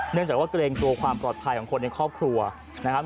จากว่าเกรงกลัวความปลอดภัยของคนในครอบครัวนะครับ